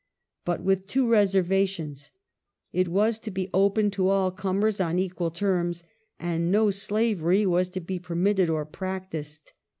But with two reservations : it was to be open to all comei*s on equal terms, and no slavery was to be permitted or practised.